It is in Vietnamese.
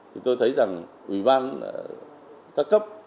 thì tôi thấy rằng ủy ban ca cấp